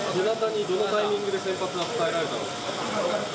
どのタイミングで先発は伝えられたんですか？